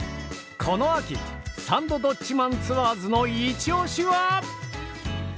この秋「サンドどっちマンツアーズ」のイチオシは？